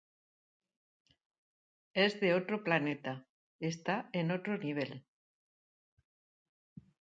Es de otro planeta, está en otro nivel.